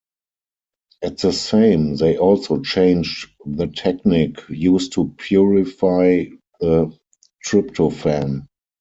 At the same, they also changed the technique used to purify the tryptophan.